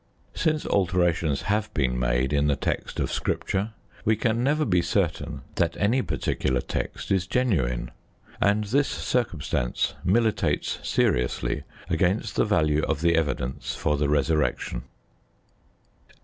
Since alterations have been made in the text of Scripture we can never be certain that any particular text is genuine, and this circumstance militates seriously against the value of the evidence for the Resurrection.